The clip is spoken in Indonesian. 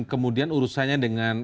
kemudian urusannya dengan